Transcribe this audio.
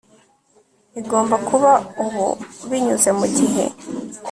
Igomba kuba ubu binyuze mugihe